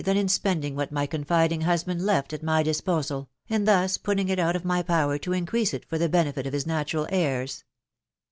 than in spending what my confiding husband left at my dis posal, and thus putting it out of my power to increase it for the benefit of his natural heirs.